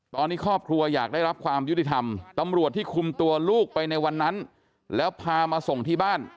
ตอนนี้ครอบครัวอยากได้รับความยุติธรรมตำรวจที่คุมตัวลูกไปในวันนั้นแล้วพามาส่งที่บ้าน